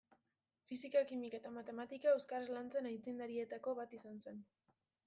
Fisika, kimika eta matematika euskaraz lantzen aitzindarietako bat izan zen.